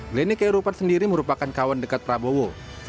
bleni kauyirupan sendiri merupakan kawan dekat prabowo